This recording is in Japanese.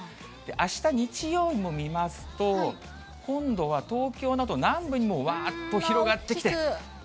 あした日曜日も見ますと、今度は東京など南部にもわーっと広がってきて。